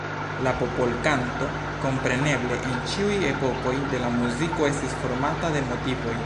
La popolkanto kompreneble en ĉiuj epokoj de la muziko estis formata de motivoj.